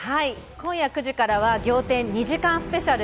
今夜９時からは仰天２時間スペシャル。